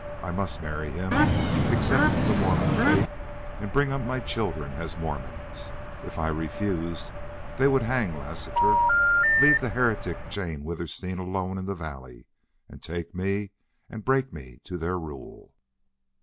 I must marry him, accept the Mormon faith, and bring up my children as Mormons. If I refused they would hang Lassiter, leave the heretic Jane Withersteen alone in the valley, and take me and break me to their rule.